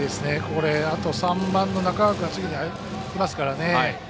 ３番の中川君が次、いますからね。